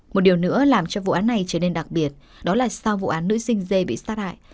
một điều nữa làm cho vụ án này trở nên đặc biệt đó là sau vụ án nữ sinh dê bị sát hại